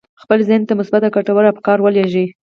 خپل ذهن ته مثبت او ګټور افکار ولېږئ.